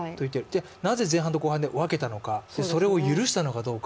なぜ前半と後半で分けたのかそれを許したのかどうか。